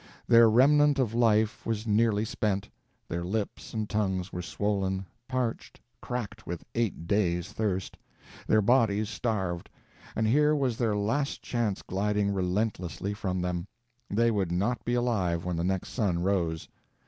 Their remnant of life was nearly spent; their lips and tongues were swollen, parched, cracked with eight days' thirst; their bodies starved; and here was their last chance gliding relentlessly from them; they would not be alive when the next sun rose.